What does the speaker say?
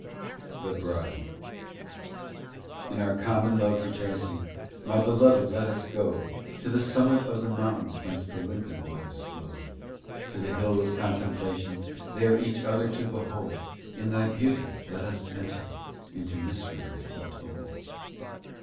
THE BRIDE 36 In our common love rejoicing, My Beloved, let us go To the summit of the mountain Whence the limpid waters flow. POEMS 263 To the hill of contemplation, There each other to behold In Thy beauty : Let us enter Into mysteries untold.